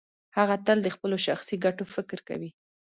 هغه تل د خپلو شخصي ګټو فکر کوي.